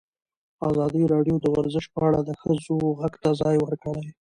ازادي راډیو د ورزش په اړه د ښځو غږ ته ځای ورکړی.